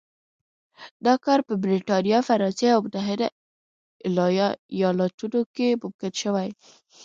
دا کار په برېټانیا، فرانسې او متحده ایالتونو کې ممکن شوی.